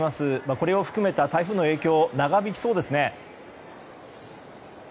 これを含めた台風の影響長引きそうですね。